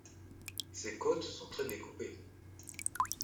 Ses côtes sont très découpées.